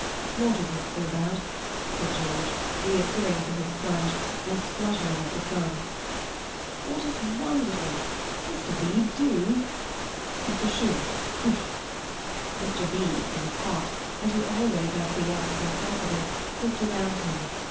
"Water's not so bad," said George, reappearing from his plunge, and sputtering at the sun. "Water's wonderful. Mr. Beebe, do." "Apooshoo, kouf." Mr. Beebe, who was hot, and who always acquiesced where possible, looked around him.